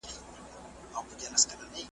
ښوونځی د ماشومانو تعلیمي ژوند پیلوي.